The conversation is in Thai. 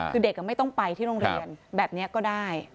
คือเด็กไม่ต้องไปที่โรงเรียนแบบนี้ก็ได้